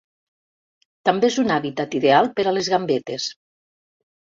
També és un hàbitat ideal per a les gambetes.